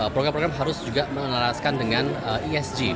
program program harus juga menelaraskan dengan esg